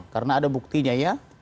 karena ada buktinya ya